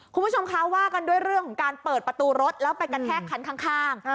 คุณผู้ชมคะว่ากันด้วยเรื่องของการเปิดประตูรถแล้วไปกระแทกคันข้าง